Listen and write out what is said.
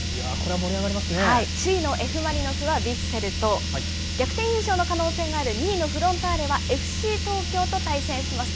首位のＦ・マリノスはヴィッセルと、逆転優勝の可能性がある２位のフロンターレは、ＦＣ東京と対戦します。